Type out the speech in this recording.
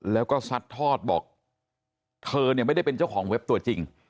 แล้วก็ซัดทอดบอกเธอเนี่ยไม่ได้เป็นเจ้าของเว็บตัวจริง